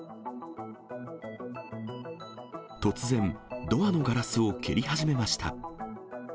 突然、ドアのガラスを蹴り始めました。